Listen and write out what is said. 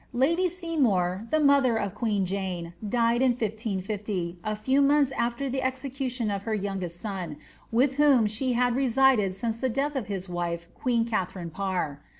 Lady Seymour, the mother of queen Jane, died in 1550, a few months after the execution of her youngest son, with whom she had reiided since the death of his wife, queen Katharine Parr.